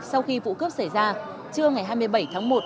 sau khi vụ cướp xảy ra trưa ngày hai mươi bảy tháng một